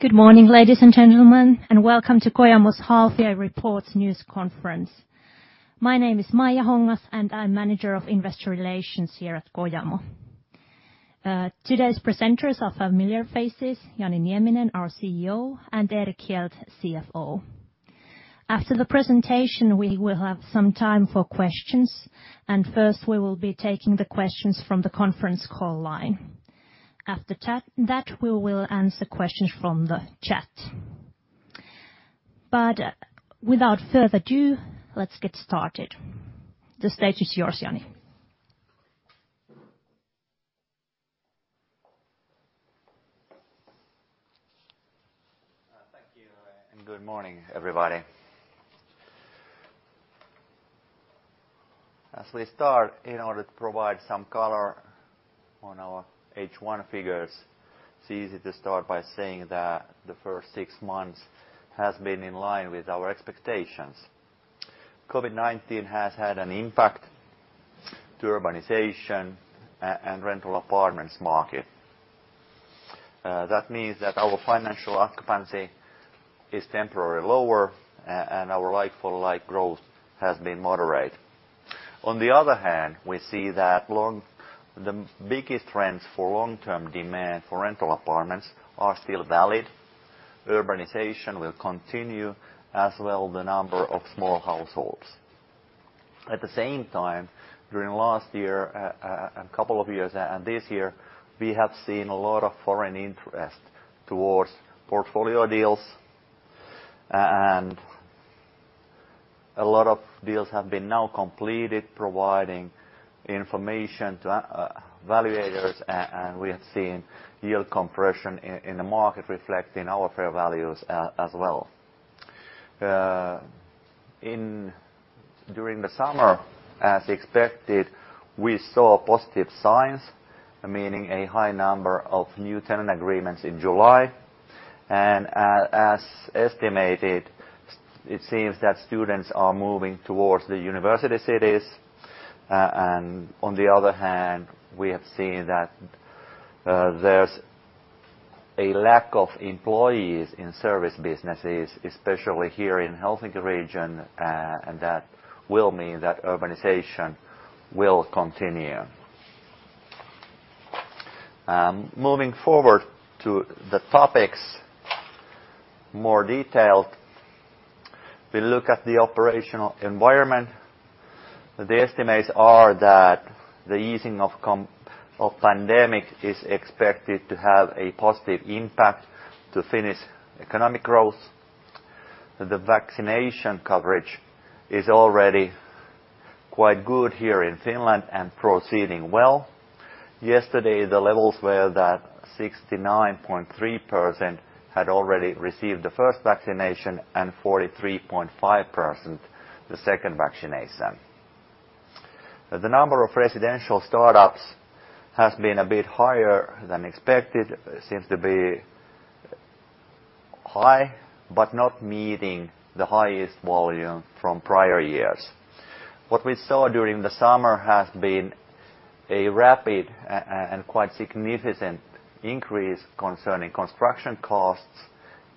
Good morning, ladies and gentlemen, and welcome to Kojamo's Half Year Report News Conference. My name is Maija Hongas, and I'm Manager of Investor Relations here at Kojamo. Today's presenters are familiar faces, Jani Nieminen, our Chief Executive Officer, and Erik Hjelt, Chief Financial Officer. After the presentation, we will have some time for questions. First, we will be taking the questions from the conference call line. After that, we will answer questions from the chat. Without further ado, let's get started. The stage is yours, Jani. Thank you, good morning, everybody. As we start, in order to provide some color on our H1 figures, it's easy to start by saying that the first six months has been in line with our expectations. COVID-19 has had an impact to urbanization and rental apartments market. That means that our financial occupancy is temporarily lower, and our like-for-like growth has been moderate. On the other hand, we see that the biggest trends for long-term demand for rental apartments are still valid. Urbanization will continue, as well the number of small households. At the same time, during last year, a couple of years, and this year, we have seen a lot of foreign interest towards portfolio deals, and a lot of deals have been now completed, providing information to evaluators, and we have seen yield compression in the market reflecting our fair values as well. During the summer, as expected, we saw positive signs, meaning a high number of new tenant agreements in July. As estimated, it seems that students are moving towards the university cities. On the other hand, we have seen that there's a lack of employees in service businesses, especially here in Helsinki region, and that will mean that urbanization will continue. Moving forward to the topics more detailed. We look at the operational environment. The estimates are that the easing of pandemic is expected to have a positive impact to Finnish economic growth. The vaccination coverage is already quite good here in Finland and proceeding well. Yesterday, the levels were that 69.3% had already received the first vaccination and 43.5% the second vaccination. The number of residential startups has been a bit higher than expected. Seems to be high, but not meeting the highest volume from prior years. What we saw during the summer has been a rapid and quite significant increase concerning construction costs,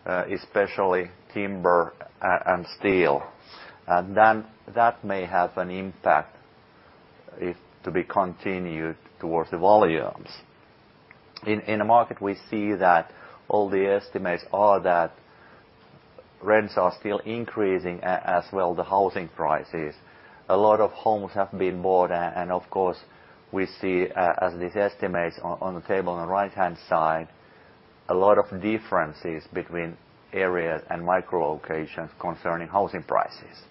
especially timber and steel. That may have an impact, if to be continued, towards the volumes. In the market, we see that all the estimates are that rents are still increasing, as well the housing prices. A lot of homes have been bought, and of course, we see, as these estimates on the table on the right-hand side, a lot of differences between areas and micro locations concerning housing prices.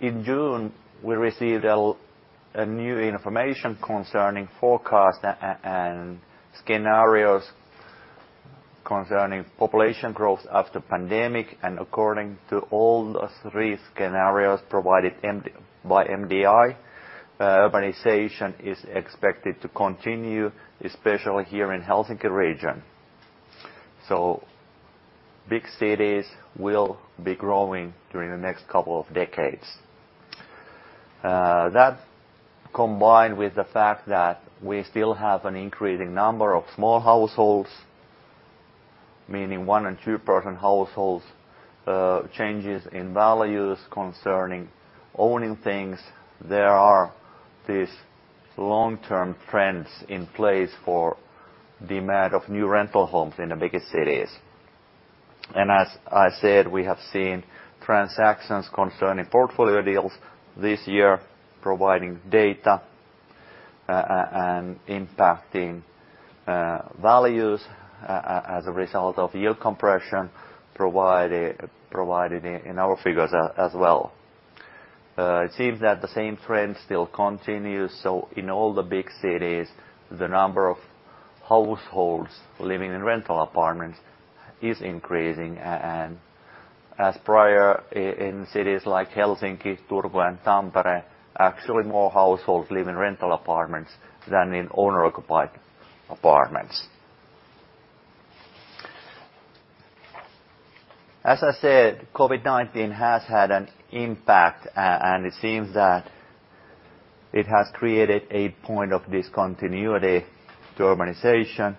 In June, we received a new information concerning forecast and scenarios concerning population growth after pandemic, and according to all the three scenarios provided by MDI, urbanization is expected to continue, especially here in Helsinki region. So big cities will be growing during the next couple of decades. That combined with the fact that we still have an increasing number of small households, meaning one and two-person households, changes in values concerning owning things. There are these long-term trends in place for demand of new rental homes in the biggest cities. As I said, we have seen transactions concerning portfolio deals this year, providing data, and impacting values as a result of yield compression provided in our figures as well. It seems that the same trend still continues. In all the big cities, the number of households living in rental apartments is increasing. As prior in cities like Helsinki, Turku, and Tampere, actually more households live in rental apartments than in owner-occupied apartments. As I said, COVID-19 has had an impact, and it seems that it has created a point of discontinuity to urbanization,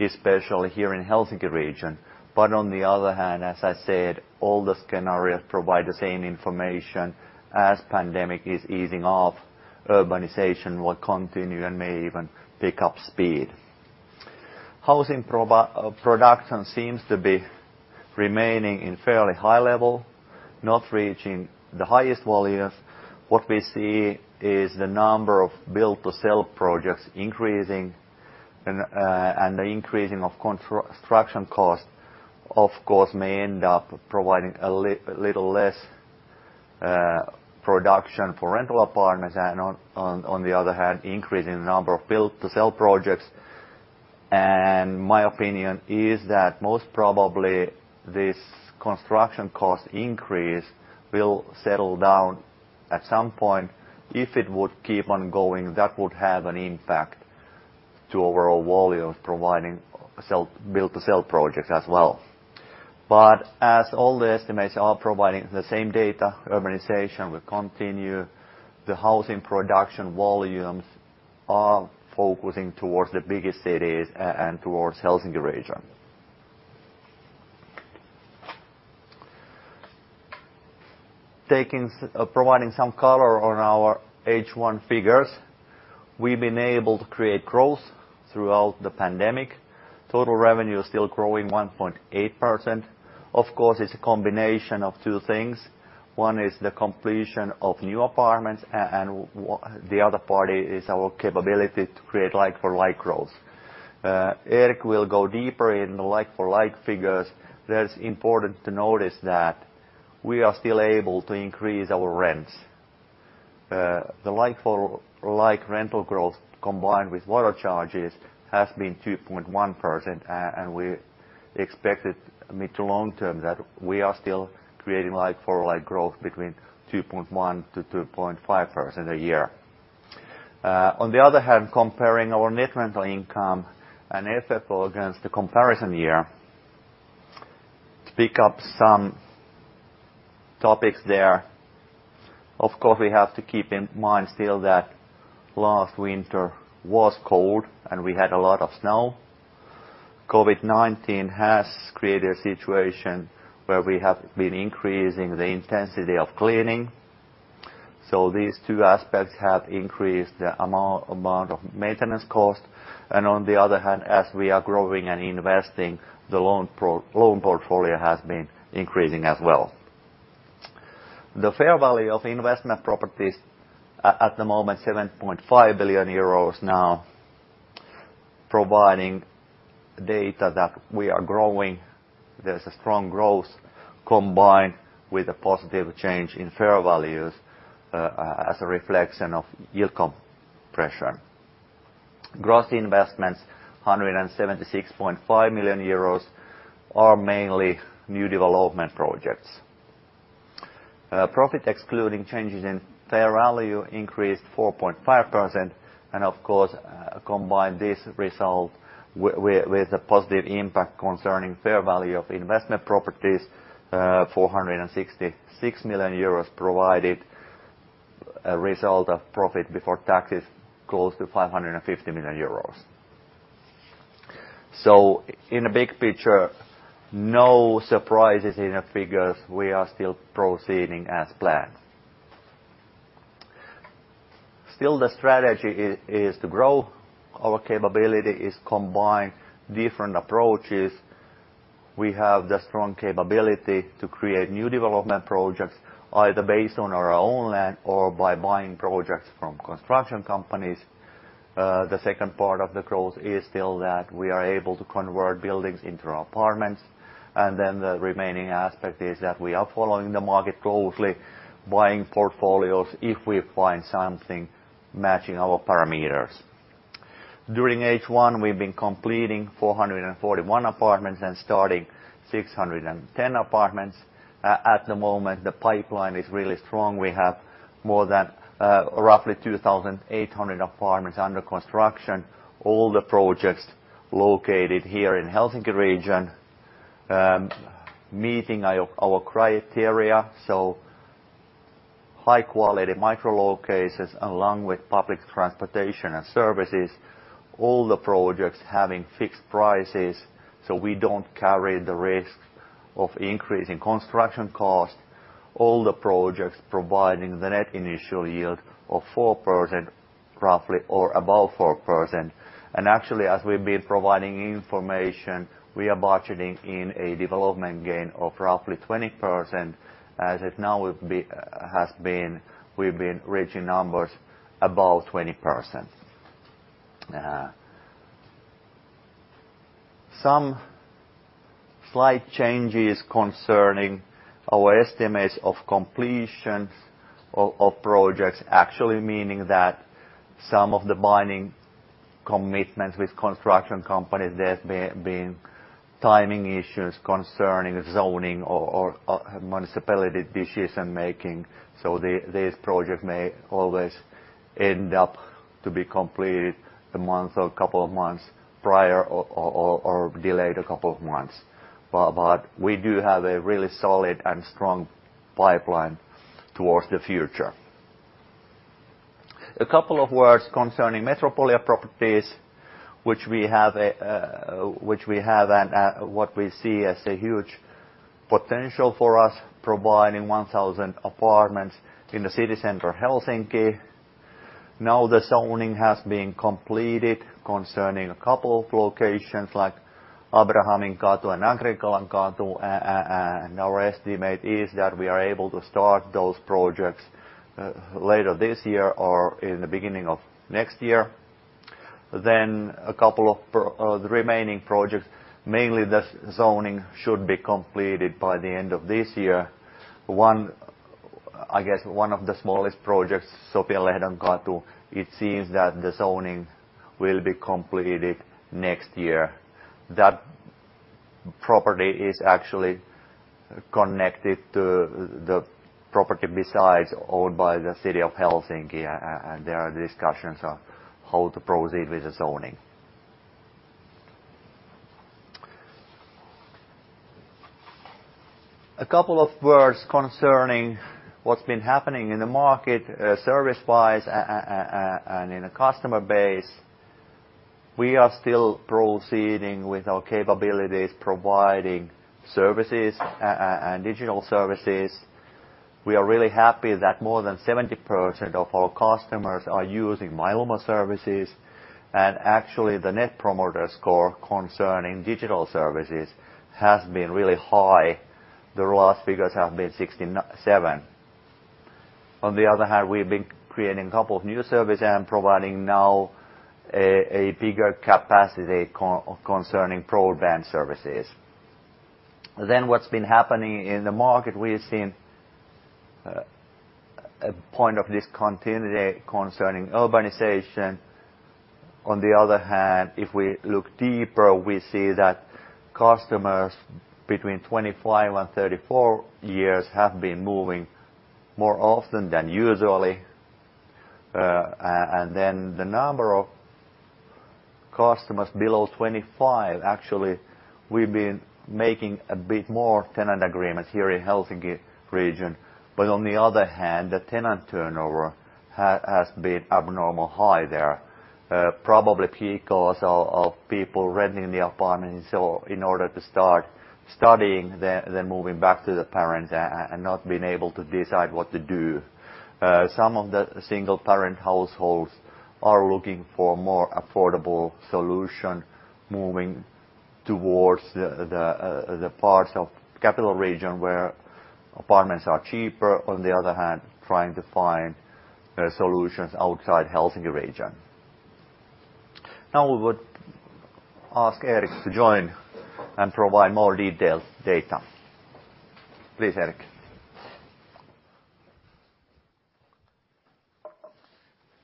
especially here in Helsinki region. On the other hand, as I said, all the scenarios provide the same information. As pandemic is easing off, urbanization will continue and may even pick up speed. Housing production seems to be remaining in fairly high level, not reaching the highest volumes. What we see is the number of build to sell projects increasing. The increasing of construction cost, of course, may end up providing a little less production for rental apartments and on the other hand, increasing the number of build to sell projects. My opinion is that most probably this construction cost increase will settle down at some point. If it would keep on going, that would have an impact to overall volume providing build to sell projects as well. As all the estimates are providing the same data, urbanization will continue. The housing production volumes are focusing towards the biggest cities and towards Helsinki region. Providing some color on our H1 figures, we've been able to create growth throughout the pandemic. Total revenue is still growing 1.8%. It's a combination of two things. One is the completion of new apartments, and the other part is our capability to create like-for-like growth. Erik will go deeper in the like-for-like figures. That's important to notice that we are still able to increase our rents. The like-for-like rental growth combined with water charges has been 2.1%, and we expected mid to long term that we are still creating like-for-like growth between 2.1%-2.5% a year. Comparing our net rental income and FFO against the comparison year, to pick up some topics there, of course, we have to keep in mind still that last winter was cold, and we had a lot of snow. COVID-19 has created a situation where we have been increasing the intensity of cleaning. These two aspects have increased the amount of maintenance cost. On the other hand, as we are growing and investing, the loan portfolio has been increasing as well. The fair value of investment properties at the moment, 7.5 billion euros now, providing data that we are growing. There is a strong growth combined with a positive change in fair values as a reflection of yield pressure. Gross investments, 176.5 million euros, are mainly new development projects. Profit excluding changes in fair value increased 4.5%, and of course, combine this result with a positive impact concerning fair value of investment properties, 466 million euros provided a result of profit before taxes close to 550 million euros. In a big picture, no surprises in the figures. We are still proceeding as planned. Still the strategy is to grow our capability is combine different approaches. We have the strong capability to create new development projects, either based on our own land or by buying projects from construction companies. The second part of the growth is still that we are able to convert buildings into apartments. Then the remaining aspect is that we are following the market closely, buying portfolios if we find something matching our parameters. During H1, we've been completing 441 apartments and starting 610 apartments. At the moment, the pipeline is really strong. We have more than roughly 2,800 apartments under construction. All the projects located here in Helsinki region, meeting our criteria. High quality micro locations along with public transportation and services. All the projects having fixed prices, we don't carry the risk of increasing construction cost. All the projects providing the net initial yield of 4% roughly or above 4%. Actually, as we've been providing information, we are budgeting in a development gain of roughly 20%. As of now we've been reaching numbers above 20%. Some slight changes concerning our estimates of completions of projects actually meaning that some of the binding commitments with construction companies, there's been timing issues concerning zoning or municipality decision making. This project may always end up to be completed a month or a couple of months prior or delayed a couple of months. We do have a really solid and strong pipeline towards the future. A couple of words concerning Metropolia properties, which we have and what we see as a huge potential for us, providing 1,000 apartments in the City of Helsinki. Now the zoning has been completed concerning a couple of locations like Abrahaminkatu and Agricolankatu, and our estimate is that we are able to start those projects later this year or in the beginning of next year. A couple of the remaining projects. Mainly the zoning should be completed by the end of this year. I guess one of the smallest projects, Sofianlehdonkatu, it seems that the zoning will be completed next year. That property is actually connected to the property besides owned by the City of Helsinki, and there are discussions of how to proceed with the zoning. A couple of words concerning what's been happening in the market service-wise and in the customer base. We are still proceeding with our capabilities, providing services and digital services. We are really happy that more than 70% of our customers are using My Lumo services. Actually, the Net Promoter Score concerning digital services has been really high. The last figures have been 67. On the other hand, we've been creating a couple of new services and providing now a bigger capacity concerning broadband services. What's been happening in the market, we have seen a point of discontinuity concerning urbanization. On the other hand, if we look deeper, we see that customers between 25 and 34 years have been moving more often than usually. The number of customers below 25, actually, we've been making a bit more tenant agreements here in Helsinki region. On the other hand, the tenant turnover has been abnormal high there. Probably because of people renting the apartments in order to start studying, then moving back to the parent and not being able to decide what to do. Some of the single-parent households are looking for more affordable solution, moving towards the parts of capital region where apartments are cheaper. On the other hand, trying to find solutions outside Helsinki region. We would ask Erik to join and provide more detailed data. Please, Erik.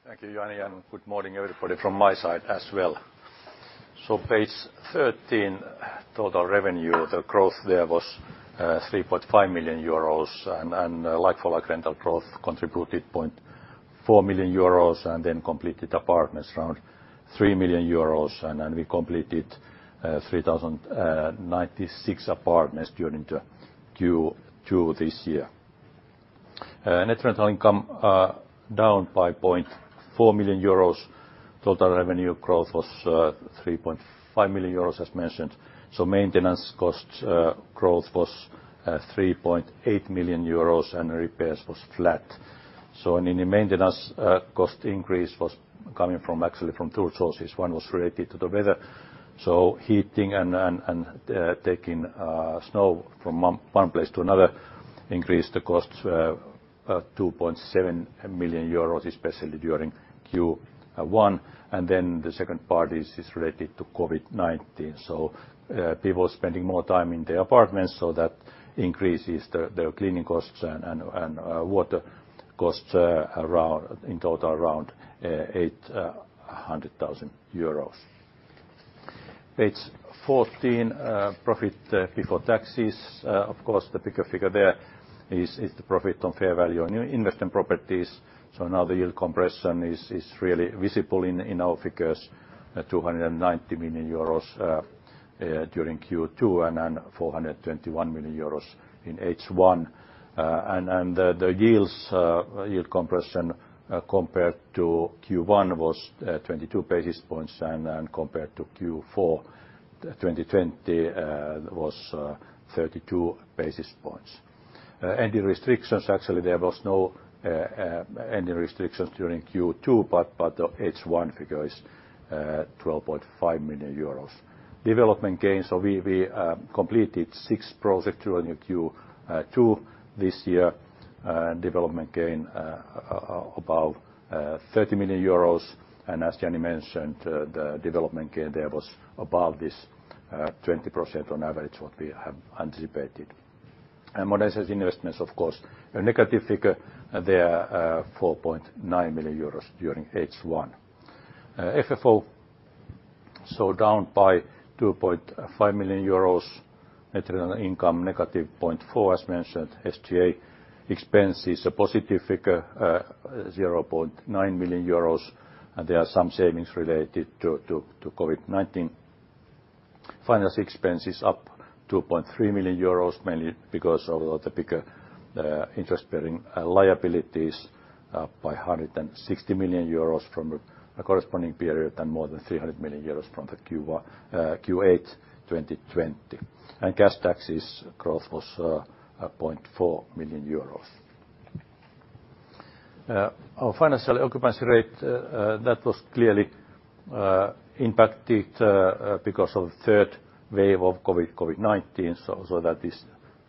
Thank you, Jani. Good morning, everybody, from my side as well. Page 13, total revenue. The growth there was 3.5 million euros, and like-for-like rental growth contributed 0.4 million euros and then completed apartments around 3 million euros, and we completed 3,096 apartments during Q2 this year. Net rental income down by 0.4 million euros. Total revenue growth was 3.5 million euros, as mentioned. Maintenance cost growth was 3.8 million euros, and repairs was flat. The maintenance cost increase was coming from actually from two sources. One was related to the weather. Heating and taking snow from one place to another increased the costs, 2.7 million euros, especially during Q1. The second part is related to COVID-19. People are spending more time in the apartments, so that increases their cleaning costs and water costs in total around 800,000 euros. Page 14, profit before taxes. The bigger figure there is the profit on fair value on investment properties. now the yield compression is really visible in our figures, 290 million euros during Q2 and then 421 million euros in H1. The yield compression compared to Q1 was 22 basis points, and then compared to Q4 2020 was 32 basis points. The restrictions, actually, there was no any restrictions during Q2, but the H1 figure is 12.5 million euros. Development gains. We completed six projects during the Q2 this year. Development gain about 30 million euros. as Jani mentioned, the development gain there was above this 20% on average, what we have anticipated. monetized investments, of course, a negative figure there, 4.9 million euros during H1. FFO down by 2.5 million euros, net income negative 0.4 million as mentioned. SG&A expense is a positive figure, 0.9 million euros, and there are some savings related to COVID-19. Finance expense is up 2.3 million euros, mainly because of the bigger interest-bearing liabilities up by 160 million euros from a corresponding period and more than 300 million euros from the Q8 2020. Gas taxes growth was 0.4 million euros. Our financial occupancy rate, that was clearly impacted because of the third wave of COVID-19. That is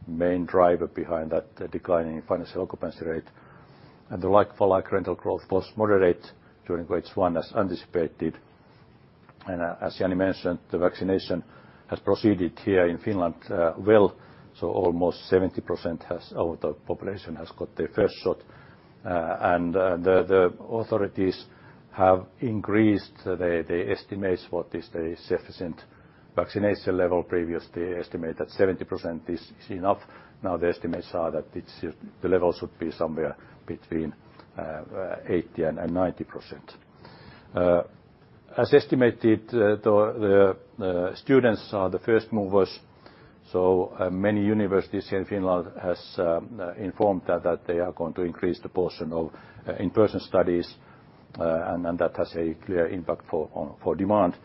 the main driver behind that decline in financial occupancy rate. The like-for-like rental growth was moderate during H1 as anticipated. As Jani mentioned, the vaccination has proceeded here in Finland well, so almost 70% of the population has got their first shot. The authorities have increased the estimates what is the sufficient vaccination level. Previously, they estimated 70% is enough. Now the estimates are that the level should be somewhere between 80% and 90%. As estimated, the students are the first movers. Many universities here in Finland has informed that they are going to increase the portion of in-person studies, and that has a clear impact for demand.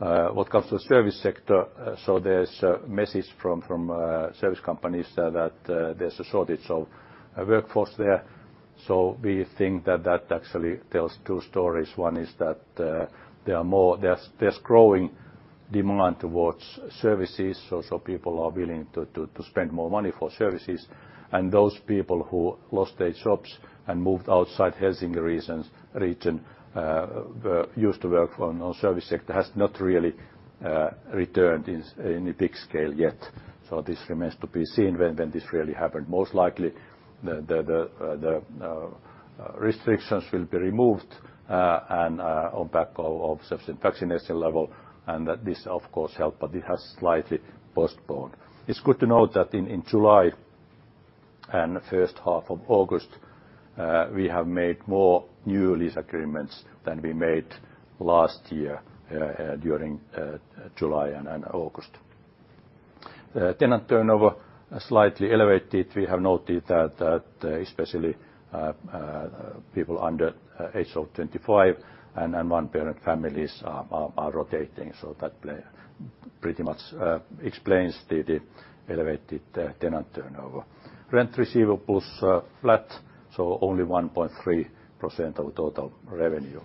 When it comes to the service sector, there's a message from service companies that there's a shortage of workforce there. We think that that actually tells two stories. One is that there's growing demand towards services, so people are willing to spend more money for services. Those people who lost their jobs and moved outside Helsinki region, used to work on our service sector, has not really returned in a big scale yet. This remains to be seen when this really happen. Most likely, the restrictions will be removed and on back of sufficient vaccination level, and that this of course help, but it has slightly postponed. It's good to note that in July and the first half of August, we have made more new lease agreements than we made last year during July and August. The tenant turnover slightly elevated. We have noted that especially people under age of 25 and one-parent families are rotating. That pretty much explains the elevated tenant turnover. Rent receivables are flat, so only 1.3% of total revenue.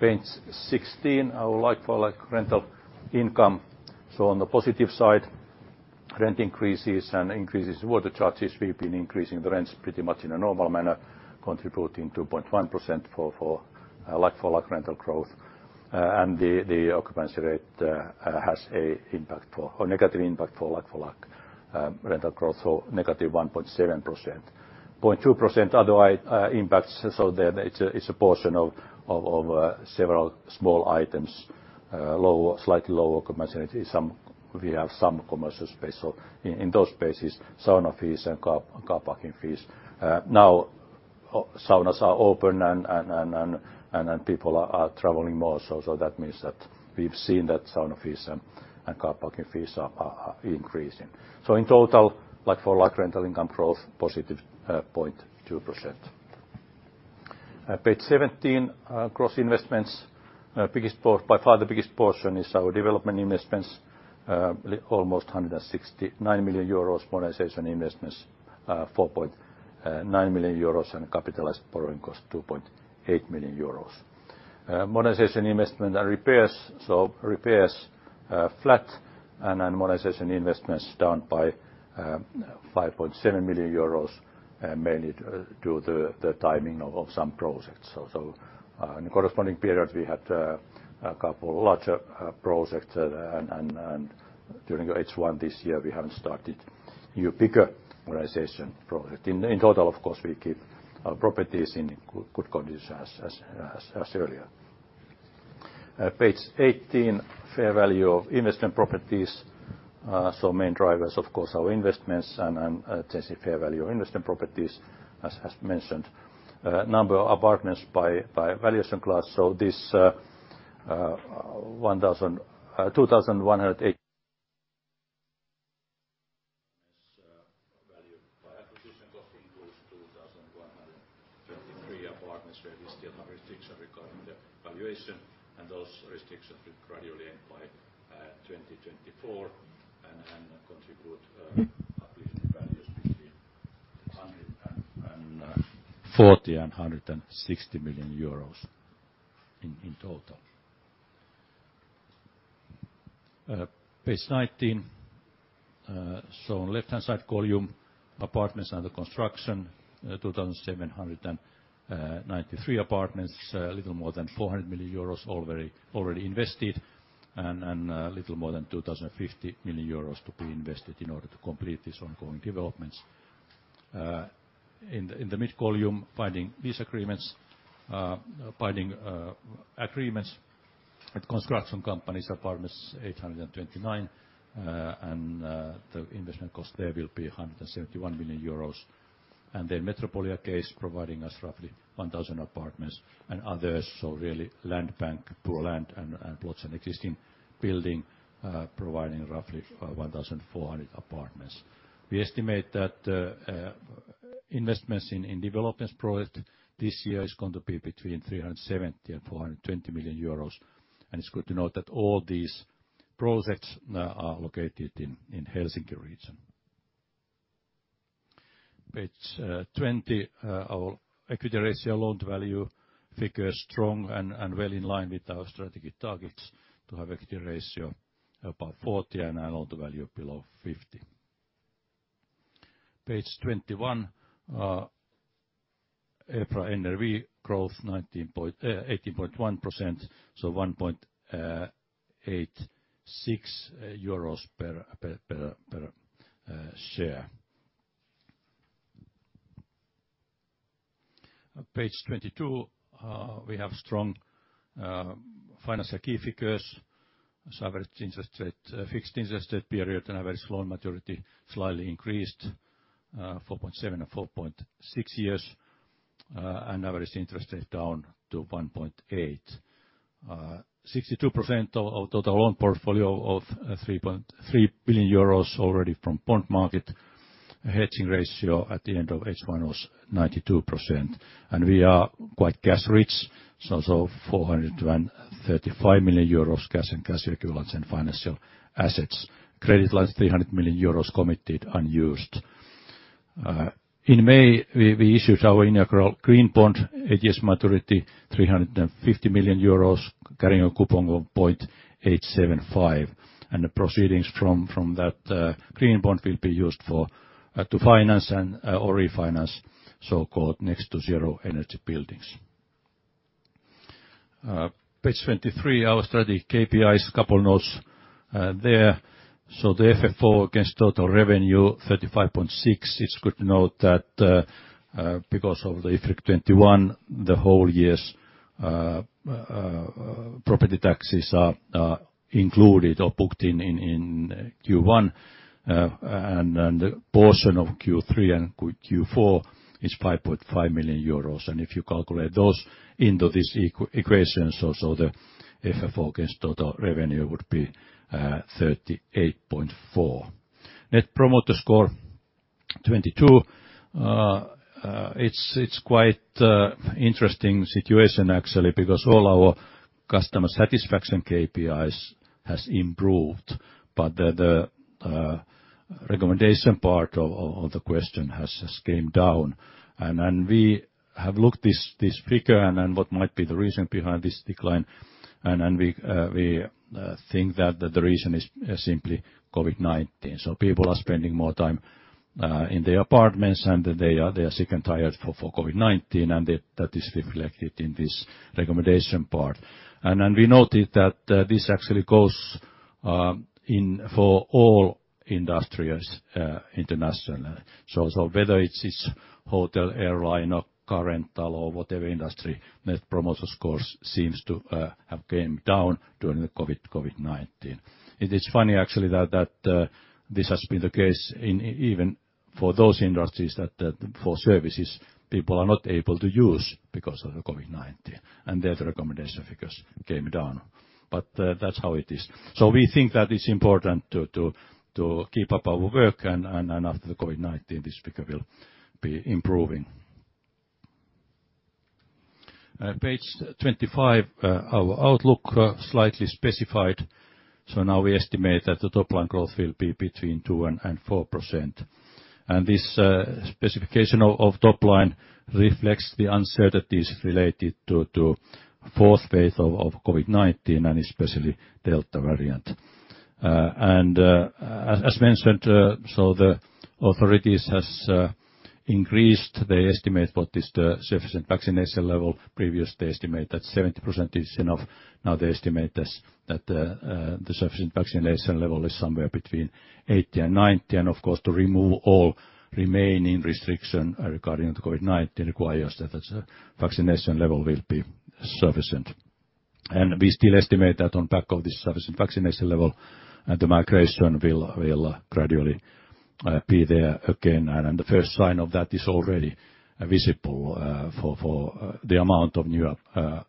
Page 16, our like-for-like rental income. On the positive side, rent increases and increases water charges. We've been increasing the rents pretty much in a normal manner, contributing 2.1% for like-for-like rental growth. The occupancy rate has a negative impact for like-for-like rental growth, so negative 1.7%. 0.2% otherwise impacts, so it's a portion of several small items, slightly lower commerciality. We have some commercial space. In those spaces, sauna fees and car parking fees. Saunas are open and people are traveling more, that means that we've seen that sauna fees and car parking fees are increasing. In total, like-for-like rental income growth, positive 0.2%. Page 17, gross investments. By far the biggest portion is our development investments, almost 169 million euros, modernization investments, 4.9 million euros, and capitalized borrowing cost, 2.8 million euros. Modernization investment and repairs. Repairs, flat, and modernization investments down by 5.7 million euros, mainly due to the timing of some projects. In the corresponding period, we had a couple larger projects, and during H1 this year, we haven't started new bigger modernization project. In total, of course, we keep our properties in good condition as earlier. Page 18, fair value of investment properties. Main drivers, of course, our investments and testing fair value of investment properties, as mentioned. Number of apartments by valuation class. This 2,108 value by acquisition cost includes 2,133 apartments where we still have restriction regarding the valuation, and those restrictions will gradually end by 2024 and contribute a valuation value between EUR 140 million and EUR 160 million in total. Page 19. On left-hand side column, apartments under construction, 2,793 apartments, a little more than 400 million euros already invested, and a little more than 2,050 million euros to be invested in order to complete these ongoing developments. In the mid column, finding lease agreements, finding agreements with construction companies, apartments 829, and the investment cost there will be 171 million euros. Metropolia Case providing us roughly 1,000 apartments and others, really land bank, pure land and plots, and existing building providing roughly 1,400 apartments. We estimate that investments in developments project this year is going to be between 370 million and 420 million euros. It's good to note that all these projects are located in Helsinki region. Page 20. Our equity ratio loan-to-value figure is strong and well in line with our strategic targets to have equity ratio about 40% and a loan-to-value below 50%. Page 21. EPRA NRV growth 18.1%, so EUR 1.86 per share. Page 22. We have strong financial key figures as average fixed interest rate period and average loan maturity slightly increased, 4.7 and 4.6 years, and average interest rate down to 1.8%. 62% of total loan portfolio of 3.3 billion euros already from bond market. Hedging ratio at the end of H1 was 92%. We are quite cash rich, so 435 million euros cash and cash equivalents and financial assets. Credit lines 300 million euros committed unused. In May, we issued our inaugural green bond, eight years maturity, 350 million euros carrying a coupon of 0.875%. The proceedings from that green bond will be used to finance or refinance so-called nearly zero-energy buildings. Page 23, our strategy KPIs. A couple notes there. The FFO against total revenue 35.6%. It's good to note that because of the IFRIC 21, the whole year's property taxes are included or booked in Q1. The portion of Q3 and Q4 is 5.5 million euros. If you calculate those into this equation, so the FFO against total revenue would be 38.4%. Net Promoter Score 22. It's quite interesting situation actually because all our customer satisfaction KPIs has improved, but the recommendation part of the question has came down. We have looked this figure and what might be the reason behind this decline, and we think that the reason is simply COVID-19. People are spending more time in their apartments, and they are sick and tired of COVID-19, and that is reflected in this recommendation part. We noted that this actually goes for all industries internationally. Whether it's hotel, airline or car rental or whatever industry, Net Promoter Scores seems to have came down during the COVID-19. It is funny, actually, that this has been the case even for those industries that for services people are not able to use because of the COVID-19, and their recommendation figures came down. That's how it is. We think that it's important to keep up our work, and after the COVID-19, this figure will be improving. Page 25. Our outlook slightly specified. Now we estimate that the top line growth will be between 2% and 4%. This specification of top line reflects the uncertainties related to 4th phase of COVID-19 and especially Delta variant. As mentioned, the authorities have increased their estimate what is the sufficient vaccination level. Previous they estimate that 70% is enough. Now they estimate that the sufficient vaccination level is somewhere between 80% and 90%. Of course, to remove all remaining restriction regarding the COVID-19 requires that vaccination level will be sufficient. We still estimate that on back of this sufficient vaccination level, the migration will gradually be there again. The first sign of that is already visible for the amount of new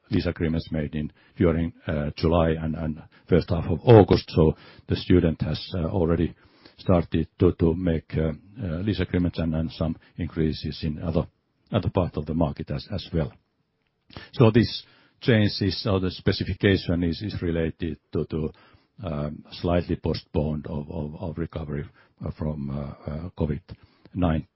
lease agreements made during July and first half of August. The student has already started to make lease agreements and then some increases in other part of the market as well. This changes or the specification is related to slightly postponed of recovery from COVID-19.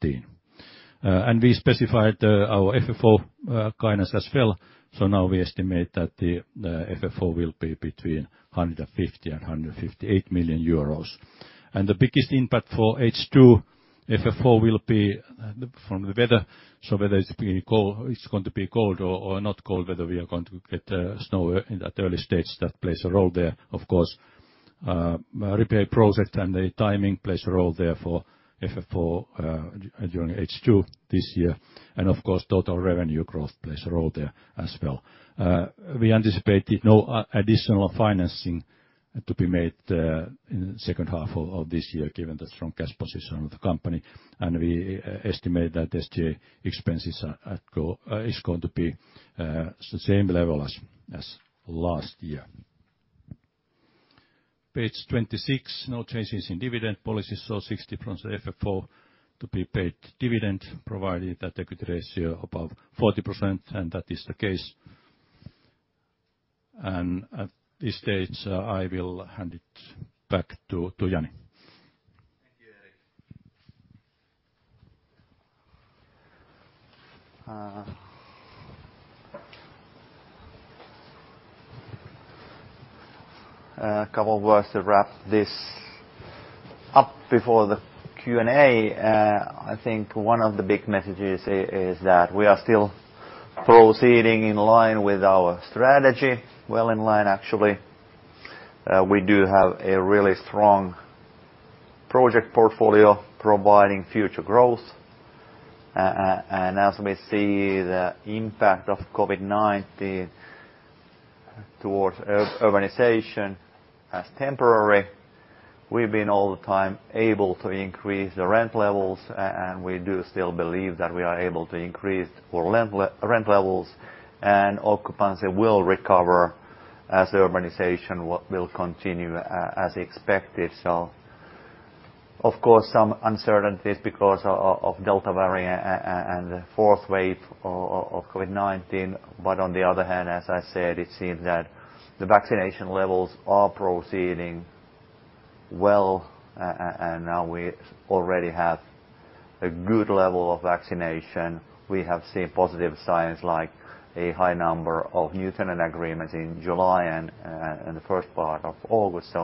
We specified our FFO guidance as well. Now we estimate that the FFO will be between 150 million-158 million euros. The biggest impact for H2 FFO will be from the weather. Whether it's going to be cold or not cold weather, we are going to get snow at early stage. That plays a role there, of course. Repair project and the timing plays a role there for FFO during H2 this year. Of course, total revenue growth plays a role there as well. We anticipated no additional financing to be made in the second half of this year, given the strong cash position of the company. We estimate that SG expenses is going to be the same level as last year. Page 26. No changes in dividend policy, 60% of FFO to be paid dividend provided that equity ratio above 40%, and that is the case. At this stage, I will hand it back to Jani. Thank you, Erik. A couple of words to wrap this up before the Q&A. I think one of the big messages here is that we are still proceeding in line with our strategy, well in line actually. We do have a really strong project portfolio providing future growth. As we see the impact of COVID-19 towards urbanization as temporary, we've been all the time able to increase the rent levels, and we do still believe that we are able to increase our rent levels and occupancy will recover as urbanization will continue as expected. Of course, some uncertainties because of Delta variant and the fourth wave of COVID-19. On the other hand, as I said, it seems that the vaccination levels are proceeding well, and now we already have a good level of vaccination. We have seen positive signs like a high number of new tenant agreements in July and the first part of August.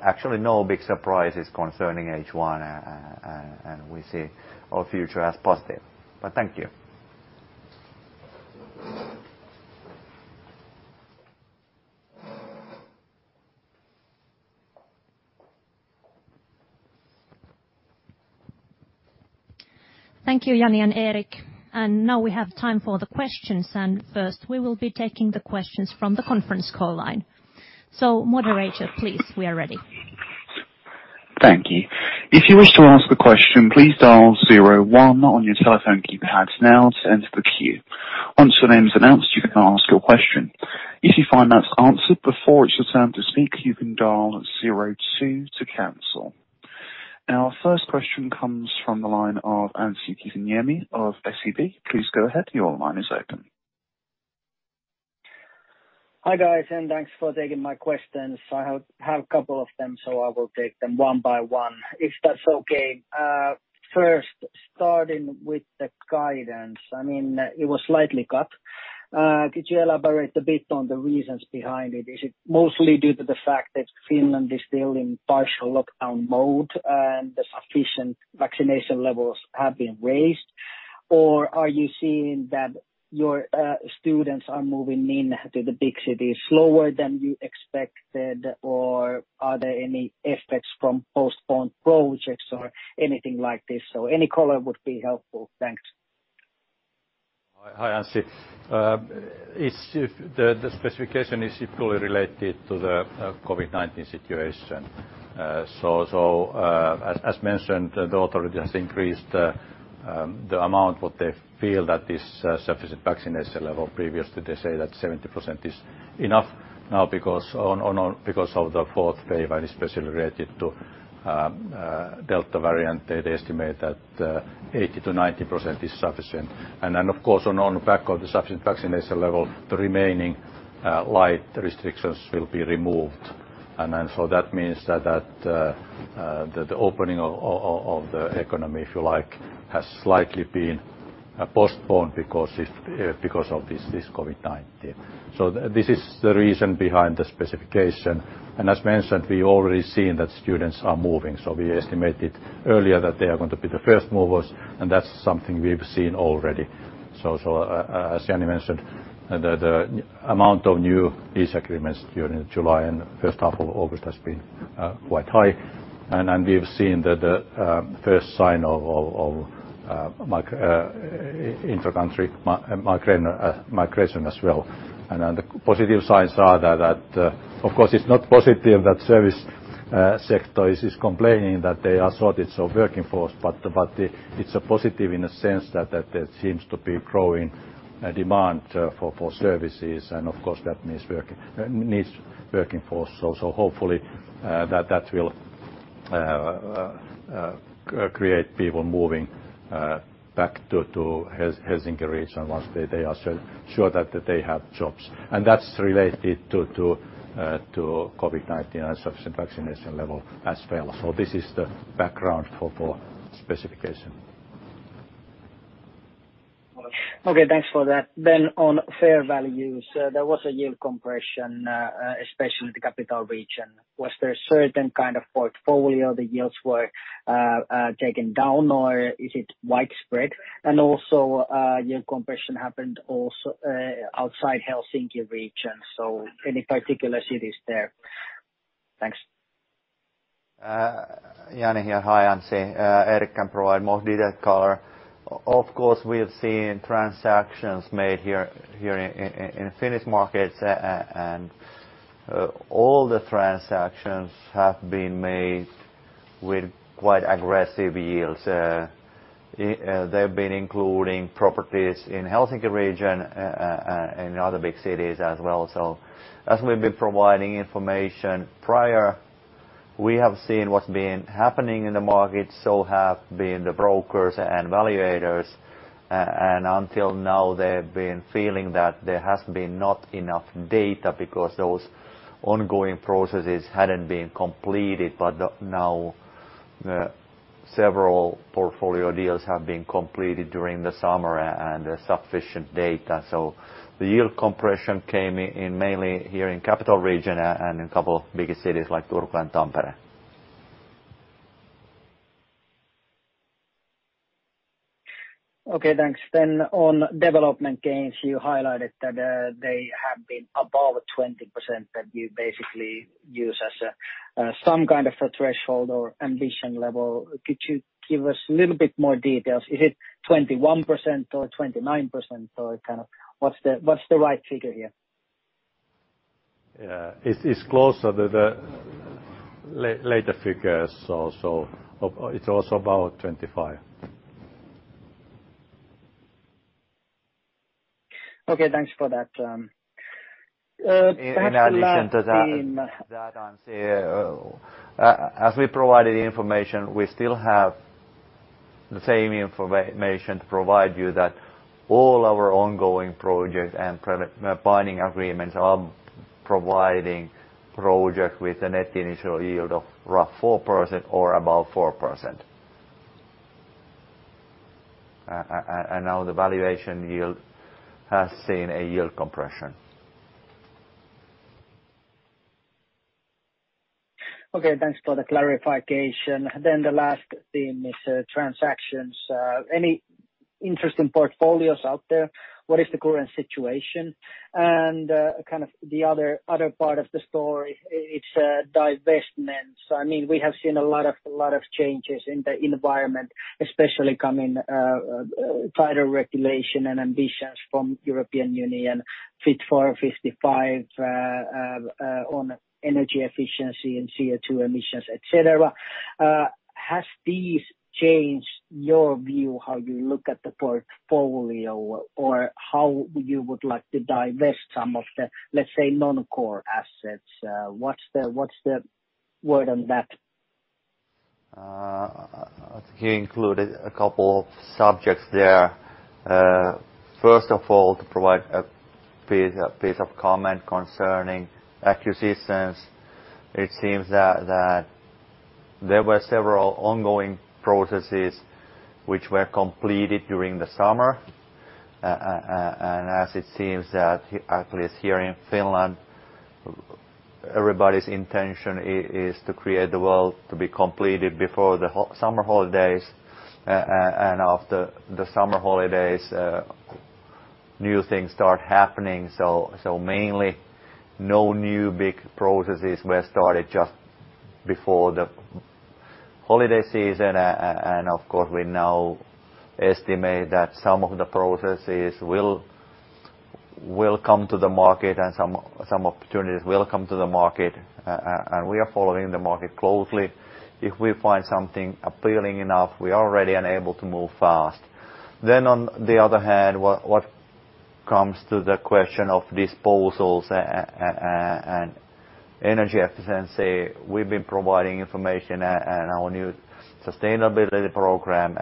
Actually, no big surprises concerning H1, and we see our future as positive. Thank you. Thank you, Jani and Erik. Now we have time for the questions, and first we will be taking the questions from the conference call line. Moderator, please, we are ready. Thank you. If you wish to ask a question, please dial zero one on your telephone keypads now to enter the queue. Once your name is announced, you can ask your question. If you find that's answered before it's your turn to speak, you can dial zero two to cancel. Our first question comes from the line of Anssi Kiviniemi of SEB. Hi, guys. Thanks for taking my questions. I have a couple of them, so I will take them one by one, if that's okay. First, starting with the guidance. It was slightly cut. Could you elaborate a bit on the reasons behind it? Is it mostly due to the fact that Finland is still in partial lockdown mode and the sufficient vaccination levels have been raised? Are you seeing that your students are moving in to the big cities slower than you expected, or are there any effects from postponed projects or anything like this? Any color would be helpful. Thanks. Hi, Anssi. The specification is equally related to the COVID-19 situation. As mentioned, the authority has increased the amount what they feel that is sufficient vaccination level. Previously, they say that 70% is enough now because of the fourth wave, and especially related to Delta variant, they'd estimate that 80%-90% is sufficient. Of course, on the back of the sufficient vaccination level, the remaining light restrictions will be removed. That means that the opening of the economy, if you like, has slightly been postponed because of this COVID-19. This is the reason behind the specification. As mentioned, we already seen that students are moving. We estimated earlier that they are going to be the first movers, and that's something we've seen already. As Jani mentioned, the amount of new lease agreements during July and the first half of August has been quite high. We've seen the first sign of inter-country migration as well. The positive signs are that, of course, it's not positive that service sector is complaining that they are shorted of working force, but it's a positive in a sense that there seems to be growing demand for services. Of course, that needs working force. Hopefully, that will create people moving back to Helsinki region once they are sure that they have jobs. That's related to COVID-19 and sufficient vaccination level as well. This is the background for specification. Okay, thanks for that. On fair values, there was a yield compression, especially the capital region. Was there a certain kind of portfolio the yields were taken down, or is it widespread? Yield compression happened also outside Helsinki region. Any particular cities there? Thanks. Jani here. Hi, Anssi. Erik can provide more detailed color. Of course, we have seen transactions made here in the Finnish markets, and all the transactions have been made with quite aggressive yields. They've been including properties in Helsinki region and in other big cities as well. As we've been providing information prior, we have seen what's been happening in the market, so have been the brokers and valuators. Until now they've been feeling that there has been not enough data because those ongoing processes hadn't been completed. Now several portfolio deals have been completed during the summer and sufficient data. The yield compression came in mainly here in Capital Region and in a couple of bigger cities like Turku and Tampere. Okay, thanks. On development gains, you highlighted that they have been above 20% that you basically use as some kind of a threshold or ambition level. Could you give us a little bit more details? Is it 21% or 29% or what's the right figure here? Yeah. It's closer to the later figures, so it's also about 25. Okay. Thanks for that. Perhaps the last theme. In addition to that, Anssi, as we provided the information, we still have the same information to provide you that all our ongoing projects and private binding agreements are providing projects with a net initial yield of rough 4% or above 4%. Now the valuation yield has seen a yield compression. Okay, thanks for the clarification. The last theme is transactions. Any interesting portfolios out there? What is the current situation? The other part of the story, it's divestments. We have seen a lot of changes in the environment, especially coming tighter regulation and ambitions from European Union, Fit for 55 on energy efficiency and CO2 emissions, et cetera. Has these changed your view, how you look at the portfolio? How you would like to divest some of the, let's say, non-core assets? What's the word on that? I think you included a couple of subjects there. First of all, to provide a bit of comment concerning acquisitions, it seems that there were several ongoing processes which were completed during the summer. As it seems that at least here in Finland, everybody's intention is to create the world to be completed before the summer holidays. After the summer holidays new things start happening. Mainly no new big processes were started just before the holiday season. Of course, we now estimate that some of the processes will come to the market and some opportunities will come to the market, and we are following the market closely. If we find something appealing enough, we are ready and able to move fast. On the other hand, what comes to the question of disposals and energy efficiency, we've been providing information and our new sustainability program.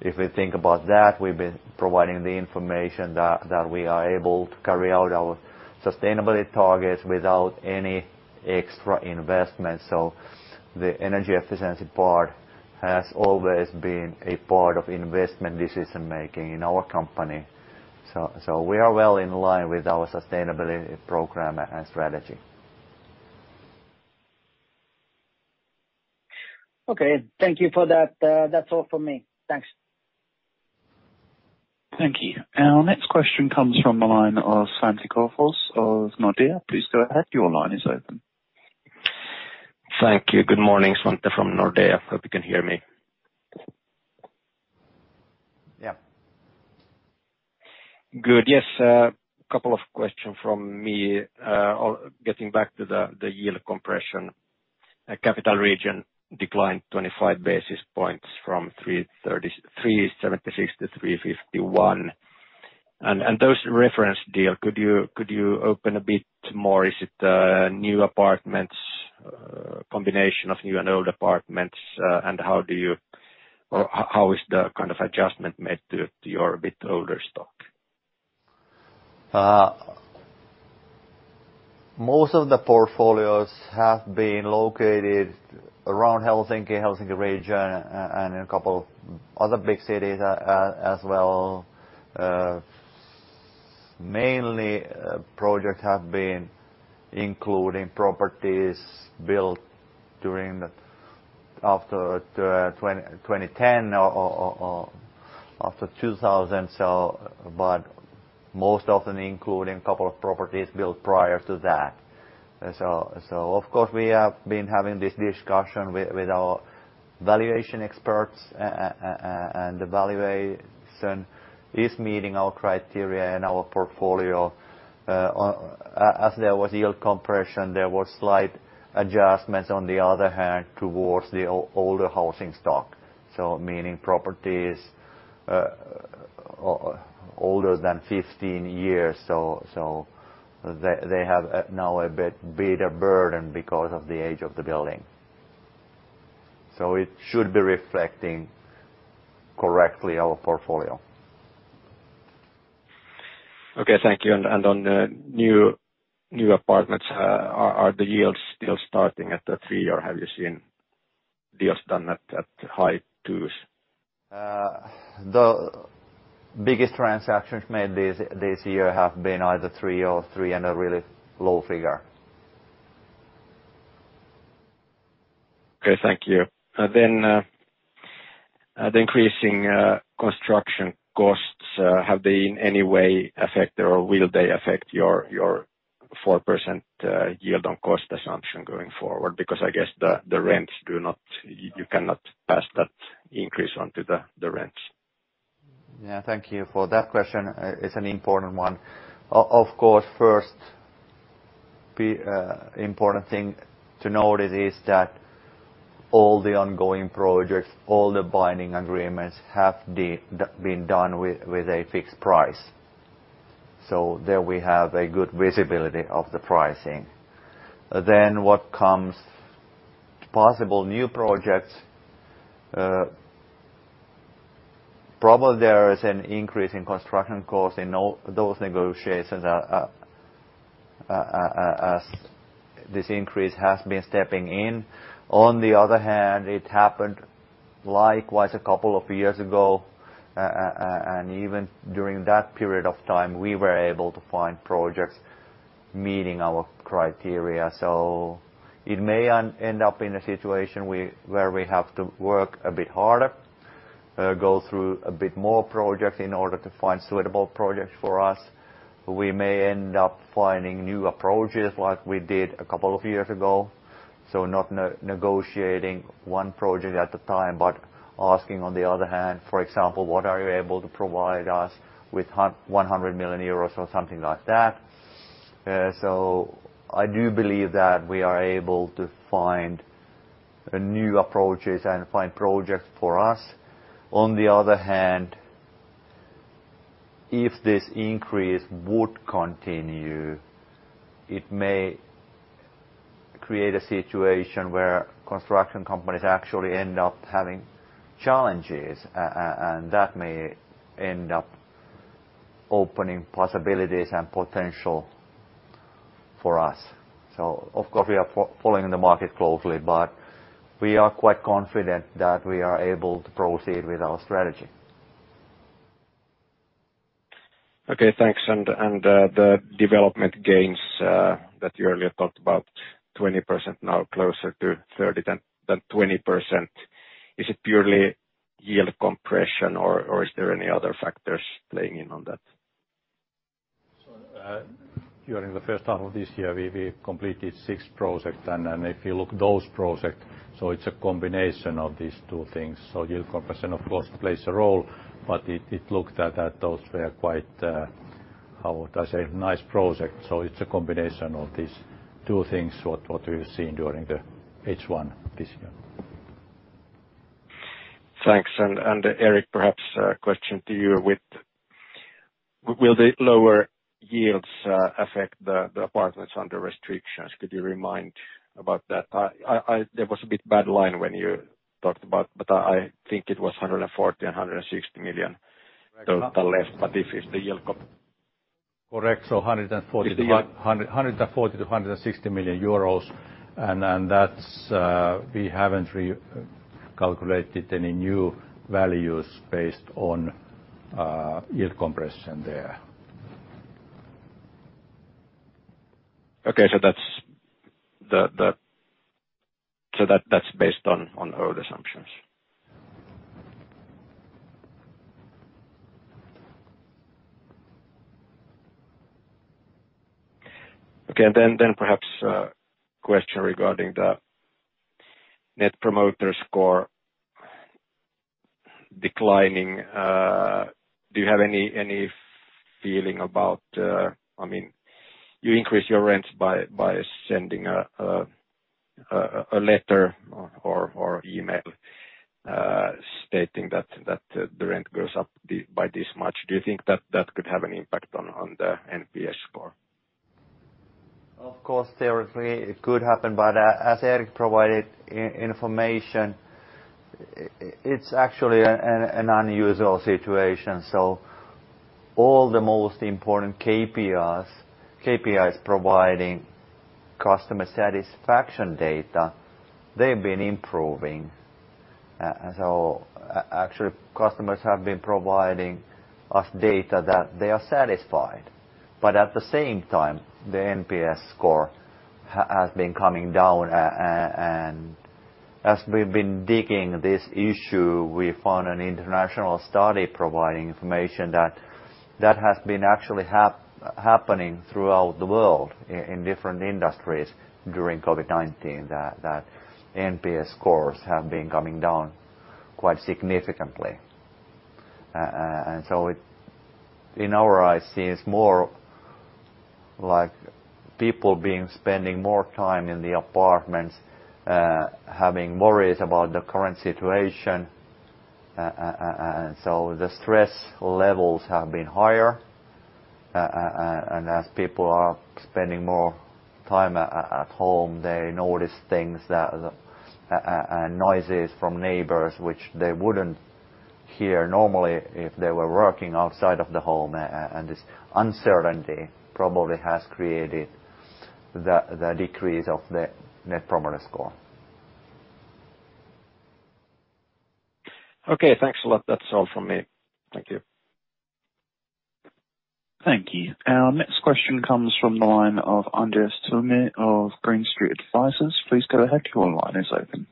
If we think about that, we've been providing the information that we are able to carry out our sustainability targets without any extra investment. The energy efficiency part has always been a part of investment decision-making in our company. We are well in line with our sustainability program and strategy. Okay. Thank you for that. That's all from me. Thanks. Thank you. Our next question comes from the line of Svante Krokfors of Nordea. Please go ahead. Your line is open. Thank you. Good morning, Svante from Nordea. Hope you can hear me. Yeah. Good. Yes, a couple of questions from me. Getting back to the yield compression. Capital region declined 25 basis points from 376 to 351. Those reference deal, could you open a bit more? Is it new apartments, combination of new and old apartments? How is the kind of adjustment made to your a bit older stock? Most of the portfolios have been located around Helsinki region, and a couple other big cities as well. Mainly projects have been including properties built after 2010 or after 2000 or so, but most often including a couple of properties built prior to that. Of course, we have been having this discussion with our valuation experts, and the valuation is meeting our criteria and our portfolio. As there was yield compression, there was slight adjustments on the other hand, towards the older housing stock, meaning properties older than 15 years. They have now a bit bigger burden because of the age of the building. It should be reflecting correctly our portfolio. Okay, thank you. On the new apartments, are the yields still starting at the three, or have you seen deals done at high 2s? The biggest transactions made this year have been either three or three and a really low figure. Okay, thank you. The increasing construction costs, have they in any way affected or will they affect your 4% yield on cost assumption going forward? I guess you cannot pass that increase on to the rents. Thank you for that question. It is an important one. First important thing to notice is that all the ongoing projects, all the binding agreements have been done with a fixed price. There we have a good visibility of the pricing. What comes possible new projects, probably there is an increase in construction cost. In all those negotiations, this increase has been stepping in. On the other hand, it happened likewise a couple of years ago, and even during that period of time we were able to find projects meeting our criteria. It may end up in a situation where we have to work a bit harder, go through a bit more projects in order to find suitable projects for us. We may end up finding new approaches like we did a couple of years ago. Not negotiating one project at a time, but asking, on the other hand, for example, what are you able to provide us with 100 million euros or something like that. I do believe that we are able to find new approaches and find projects for us. On the other hand, if this increase would continue, it may create a situation where construction companies actually end up having challenges, and that may end up opening possibilities and potential for us. Of course, we are following the market closely, but we are quite confident that we are able to proceed with our strategy. Okay, thanks. The development gains that you earlier talked about, 20% now closer to 30% than 20%, is it purely yield compression or is there any other factors playing in on that? During the first half of this year, we completed six projects. If you look those projects, it's a combination of these two things. Yield compression, of course, plays a role, but it looked at those were quite, how would I say, nice projects. It's a combination of these two things, what we've seen during the H1 this year. Thanks. Erik, perhaps a question to you with will the lower yields affect the apartments under restrictions? Could you remind about that? There was a bit bad line when you talked about, I think it was 140 million and 160 million total left. Correct. 140 million-160 million euros, and that's we haven't recalculated any new values based on yield compression there. Okay. That's based on old assumptions. Okay. Perhaps a question regarding the Net Promoter Score declining. Do you have any feeling about I mean, you increase your rents by sending a letter or email stating that the rent goes up by this much. Do you think that that could have an impact on the NPS score? Of course, theoretically it could happen, but as Erik provided information, it's actually an unusual situation. All the most important KPIs providing customer satisfaction data, they've been improving. Actually, customers have been providing us data that they are satisfied. At the same time, the NPS score has been coming down. As we've been digging this issue, we found an international study providing information that has been actually happening throughout the world in different industries during COVID-19, that NPS scores have been coming down quite significantly. In our eyes, it's more like people being spending more time in the apartments, having worries about the current situation. The stress levels have been higher, and as people are spending more time at home, they notice things, and noises from neighbors, which they wouldn't hear normally if they were working outside of the home. This uncertainty probably has created the decrease of Net Promoter Score. Okay, thanks a lot. That's all from me. Thank you. Thank you. Our next question comes from the line of Andreas Toome of Green Street Advisors. Please go ahead. Your line is open.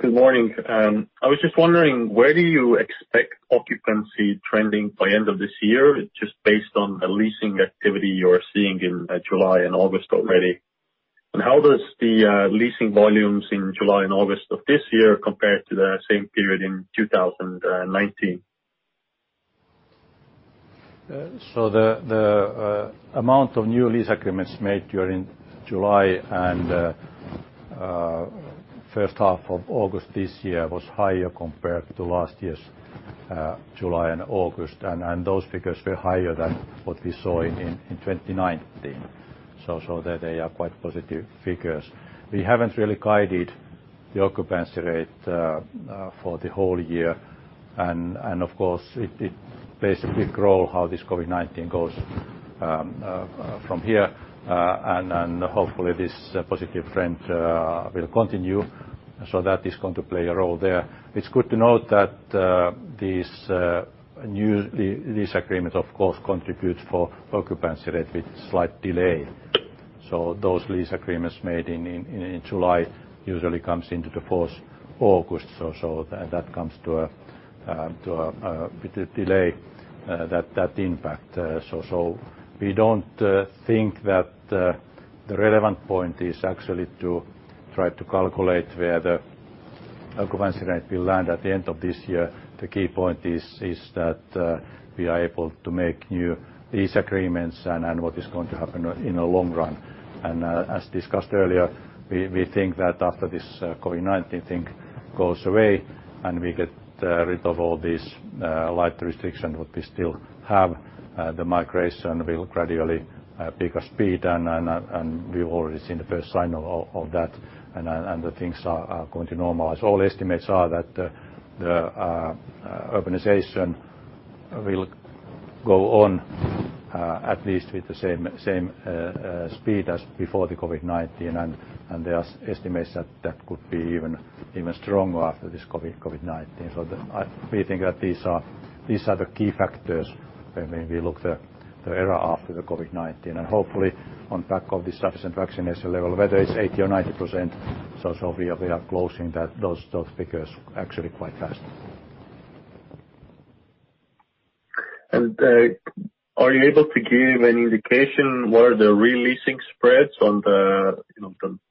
Good morning. I was just wondering, where do you expect occupancy trending by end of this year, just based on the leasing activity you're seeing in July and August already? How does the leasing volumes in July and August of this year compare to the same period in 2019? The amount of new lease agreements made during July and first half of August this year was higher compared to last year's July and August. Those figures were higher than what we saw in 2019. They are quite positive figures. We haven't really guided the occupancy rate for the whole year. Of course, it plays a big role how this COVID-19 goes from here. Hopefully this positive trend will continue. That is going to play a role there. It's good to note that these new lease agreements, of course, contribute for occupancy rate with slight delay. Those lease agreements made in July usually comes into the first August. That comes to a bit of delay that impact. We don't think that the relevant point is actually to try to calculate where the occupancy rate will land at the end of this year. The key point is that we are able to make new lease agreements and what is going to happen in the long run. As discussed earlier, we think that after this COVID-19 thing goes away, and we get rid of all these light restrictions that we still have, the migration will gradually pick up speed. We've already seen the first sign of that, and the things are going to normalize. All estimates are that the urbanization will go on at least with the same speed as before the COVID-19. There are estimates that could be even stronger after this COVID-19. We think that these are the key factors when we look the era after the COVID-19. Hopefully on back of the sufficient vaccination level, whether it's 80 or 90%, so we are closing those figures actually quite fast. Are you able to give any indication where the re-leasing spreads on the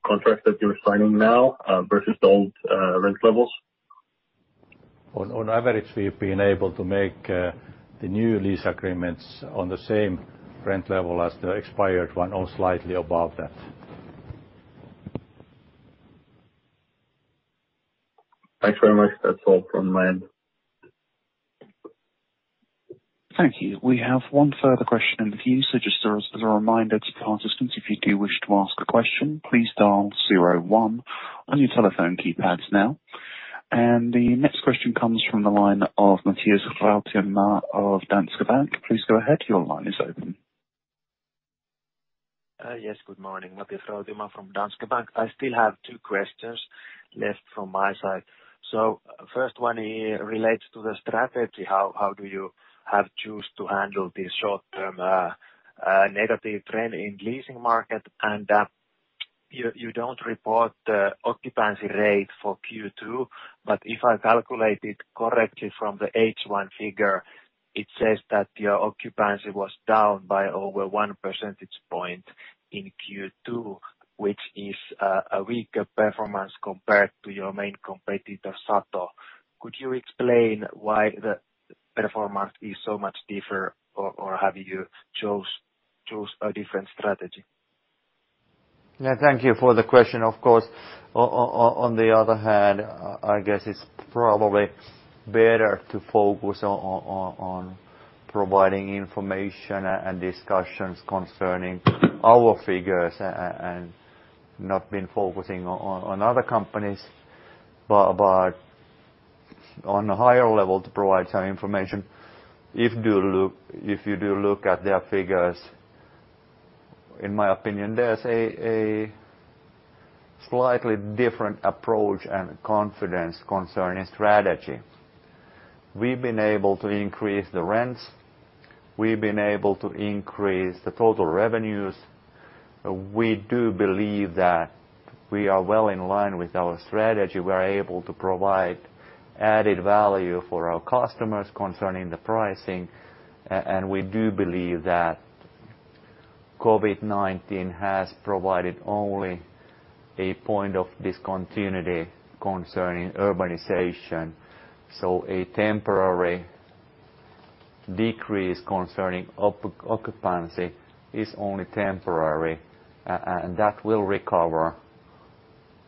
contract that you're signing now versus the old rent levels? On average, we've been able to make the new lease agreements on the same rent level as the expired one or slightly above that. Thanks very much. That's all from my end. Thank you. We have one further question in the queue. Just as a reminder to participants, if you do wish to ask a question, please dial zero one on your telephone keypads now. The next question comes from the line of Matias Rautionmaa of Danske Bank. Please go ahead. Your line is open. Yes, good morning. Matias Rautionmaa from Danske Bank. I still have two questions left from my side. First one relates to the strategy. How do you have chose to handle this short-term negative trend in leasing market? You don't report the occupancy rate for Q2, but if I calculate it correctly from the H1 figure, it says that your occupancy was down by over 1 percentage point in Q2, which is a weaker performance compared to your main competitor, Sato. Could you explain why the performance is so much differ, or have you chose a different strategy? Thank you for the question, of course. On the other hand, I guess it's probably better to focus on providing information and discussions concerning our figures, and not been focusing on other companies. On a higher level to provide some information, if you do look at their figures. In my opinion, there's a slightly different approach and confidence concerning strategy. We've been able to increase the rents, we've been able to increase the total revenues. We do believe that we are well in line with our strategy. We're able to provide added value for our customers concerning the pricing, and we do believe that COVID-19 has provided only a point of discontinuity concerning urbanization. A temporary decrease concerning occupancy is only temporary, and that will recover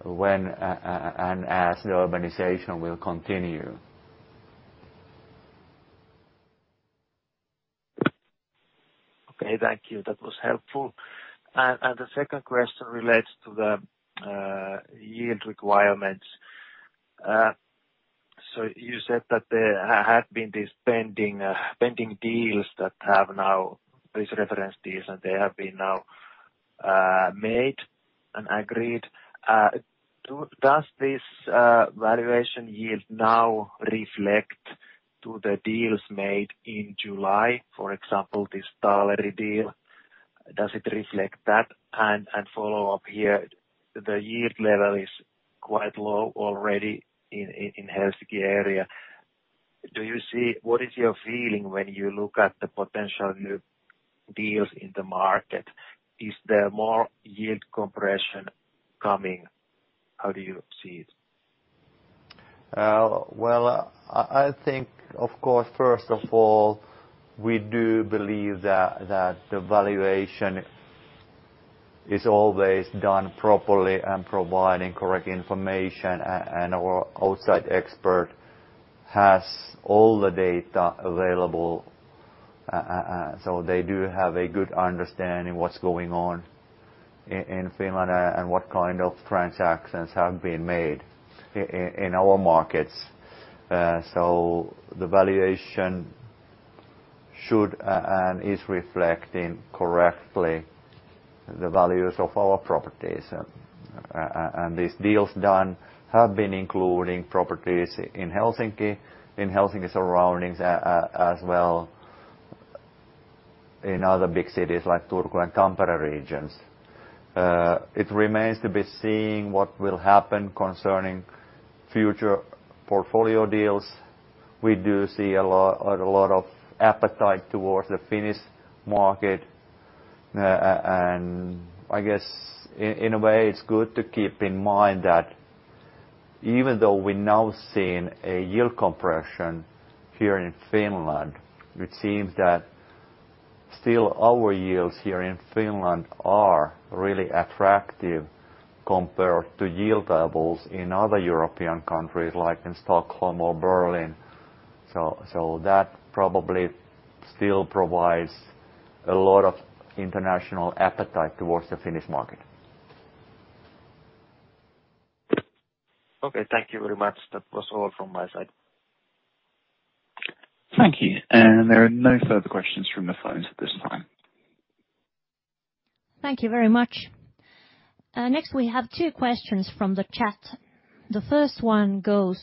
when and as the urbanization will continue. Okay. Thank you. That was helpful. The second question relates to the yield requirements. You said that there have been these pending deals, these reference deals, and they have been now made and agreed. Does this valuation yield now reflect to the deals made in July, for example, this Taaleri deal? Does it reflect that? Follow up here, the yield level is quite low already in Helsinki area. What is your feeling when you look at the potential new deals in the market? Is there more yield compression coming? How do you see it? I think, of course, first of all, we do believe that the valuation is always done properly and providing correct information, and our outside expert has all the data available. They do have a good understanding what's going on in Finland and what kind of transactions have been made in our markets. The valuation should and is reflecting correctly the values of our properties. These deals done have been including properties in Helsinki, in Helsinki surroundings, as well in other big cities like Turku and Tampere regions. It remains to be seen what will happen concerning future portfolio deals. We do see a lot of appetite towards the Finnish market, and I guess in a way it's good to keep in mind that even though we're now seeing a yield compression here in Finland, it seems that still our yields here in Finland are really attractive compared to yield levels in other European countries like in Stockholm or Berlin. That probably still provides a lot of international appetite towards the Finnish market. Okay. Thank you very much. That was all from my side. Thank you. There are no further questions from the phones at this time. Thank you very much. We have two questions from the chat. The first one goes,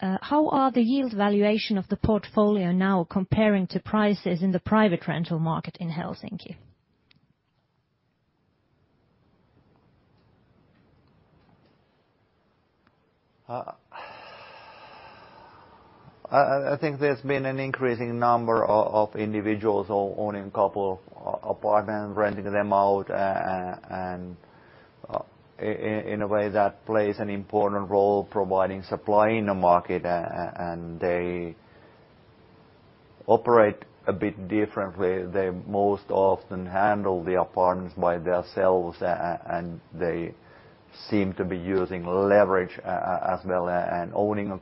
how are the yield valuation of the portfolio now comparing to prices in the private rental market in Helsinki? I think there's been an increasing number of individuals owning couple apartments, renting them out, and in a way that plays an important role providing supply in the market, and they operate a bit differently. They most often handle the apartments by themselves, and they seem to be using leverage as well. Owning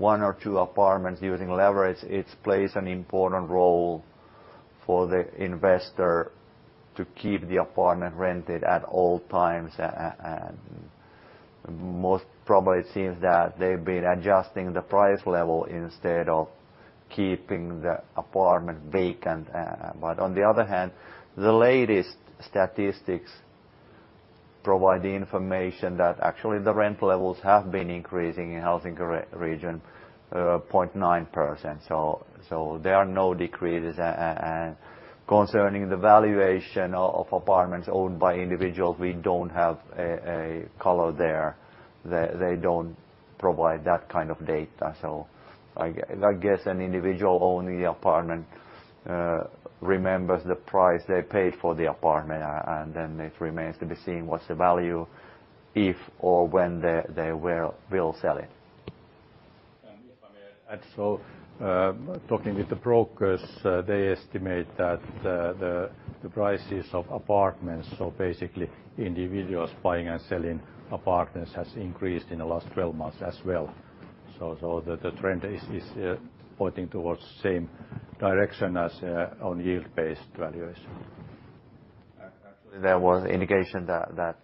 one or two apartments using leverage, it plays an important role for the investor to keep the apartment rented at all times. Most probably it seems that they've been adjusting the price level instead of keeping the apartment vacant. On the other hand, the latest statistics provide the information that actually the rent levels have been increasing in Helsinki region, 0.9%. There are no decreases. Concerning the valuation of apartments owned by individuals, we don't have a color there. They don't provide that kind of data. I guess an individual owning the apartment remembers the price they paid for the apartment, and then it remains to be seen what's the value if or when they will sell it. If I may add. Talking with the brokers, they estimate that the prices of apartments, so basically individuals buying and selling apartments, has increased in the last 12 months as well. The trend is pointing towards same direction as on yield-based valuation. Actually, there was indication that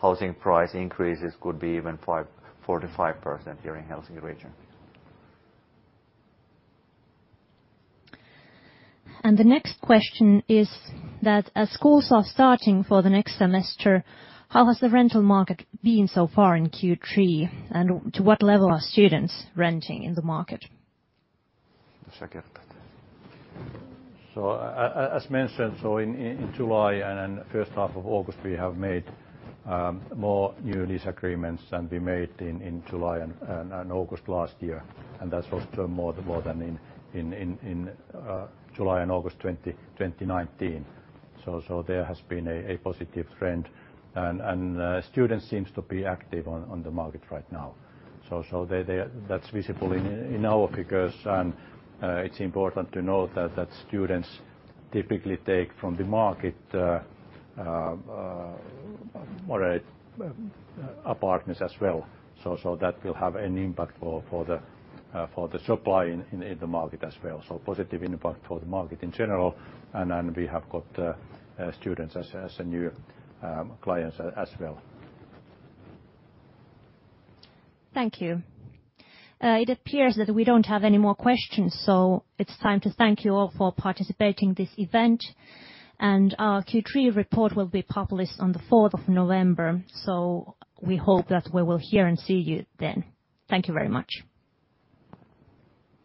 housing price increases could be even 4%-5% here in Helsinki region. The next question is that as schools are starting for the next semester, how has the rental market been so far in Q3, and to what level are students renting in the market? As mentioned, in July and first half of August, we have made more new lease agreements than we made in July and August last year, and that's also more than in July and August 2019. There has been a positive trend, and students seems to be active on the market right now. That's visible in our figures, and it's important to note that students typically take from the market apartments as well. That will have an impact for the supply in the market as well. Positive impact for the market in general. We have got students as a new clients as well. Thank you. It appears that we don't have any more questions, so it's time to thank you all for participating this event. Our Q3 report will be published on the 4th of November, so we hope that we will hear and see you then. Thank you very much.